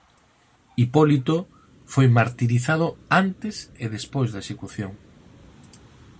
Hipólito foi martirizado antes e despois da execución.